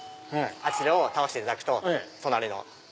あちらを倒していただくと隣の。